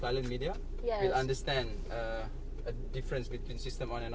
เราเกี่ยวงั้นทำอีเอสซีอิมัน